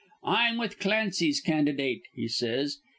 'I'm with Clancy's candydate,' he says.